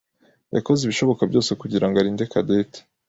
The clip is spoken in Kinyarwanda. yakoze ibishoboka byose kugirango arinde Cadette.